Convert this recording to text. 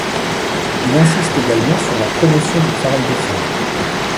Il insiste également sur la promotion du travail des femmes.